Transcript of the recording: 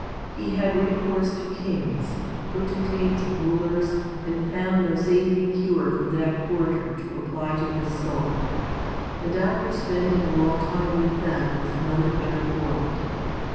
He had recourse to kings, poten tates, rulers, and found no saving cure from that quarter to apply to his soul, and after spending a long time with them was none the better for it.